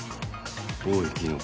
おいキノコ。